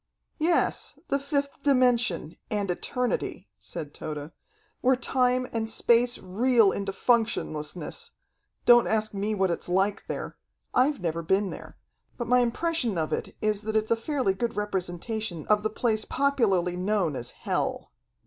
"Yes, the fifth dimension, and eternity," said Tode, "where time and space reel into functionlessness. Don't ask me what it's like there. I've never been there. But my impression of it is that it's a fairly good representation of the place popularly known as hell.